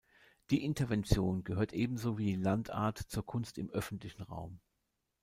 Die Intervention gehört ebenso wie die Land Art zur Kunst im öffentlichen Raum.